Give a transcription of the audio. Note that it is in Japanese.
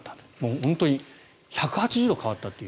本当に１８０度変わったという。